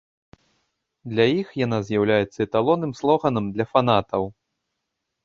Для іх яна з'яўляецца эталонным слоганам для фанатаў.